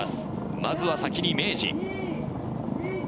まずは先に明治。